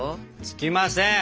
つきません？